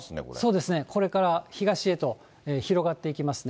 そうですね、これから東へと広がっていきますね。